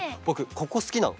ここすきなの。